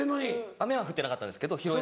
雨は降ってなかったんですけど。